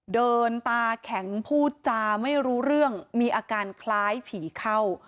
เดินตาแข็งพูดจาไม่รู้เรื่องมีอาการคล้ายผีเข้า